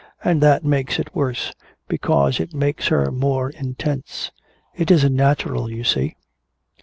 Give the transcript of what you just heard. And that makes it worse because it makes her more intense. It isn't natural, you see."